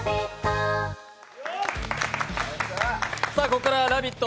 ここからは「ラヴィット！